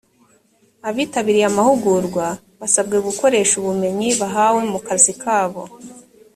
abitabiriye amahugurwa basabwe gukoresha ubumenyi bahawe mu kazi kabo